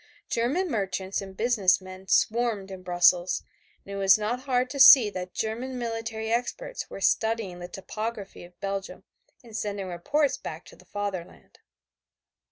German merchants and business men swarmed in Brussels, and it was not hard to see too that German military experts were studying the topography of Belgium and sending reports back to the Fatherland.